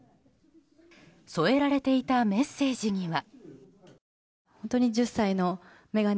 添えられていたメッセージには。